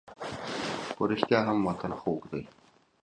په رښتیا هم وطن خوږ دی.